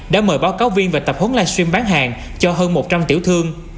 đã mời báo cáo viên về tập huấn live stream bán hàng cho hơn một trăm linh tiểu thương